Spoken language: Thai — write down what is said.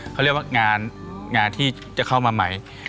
เขาเรียกว่างานที่จะเข้ามาใหม่